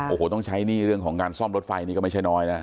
โอ้โหต้องใช้หนี้เรื่องของการซ่อมรถไฟนี่ก็ไม่ใช่น้อยนะ